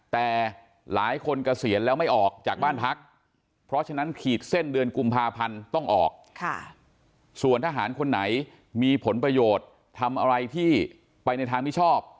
แต่หลายคนเกษียณแล้วไม่ออกจากบ้านพักเพราะฉะนั้นขีดเส้นเดือนกุมภาพันธ์ต้องออกส่วนทหารคนไหนมีผลประโยชน์ทำอะไรที่ไปในทางมิชอบ